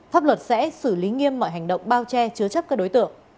pháp luật sẽ xử lý nghiêm mọi hành động bao che chứa chấp các đối tượng